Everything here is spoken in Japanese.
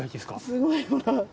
すごいほら。